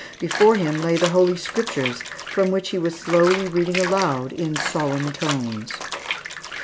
Before him lay the Holy Scriptures from which he was slowly reading aloud in solemn tones.